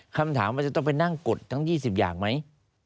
คำถามมันจะต้องไปนั่งกดทั้ง๒๐อย่างไหม